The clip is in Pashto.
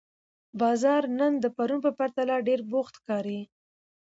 بازار نن د پرون په پرتله ډېر بوخت ښکاري